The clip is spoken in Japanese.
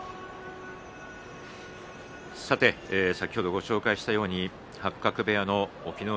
先ほど、ご紹介したように八角部屋の隠岐の海